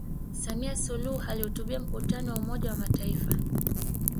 samia suluhu alihutubia mkutano wa umoja wa mataifa